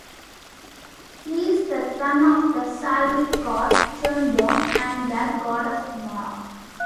He is the son of the Slavic god Chernobog and the goddess Mara.